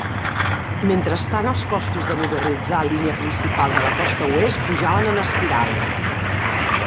Mentrestant, els costos de modernitzar Línia Principal de la Costa Oest pujaven en espiral.